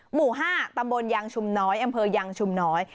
หมู่๕ตำบลยางชุมน้อยอำเภอยางชุมน้อย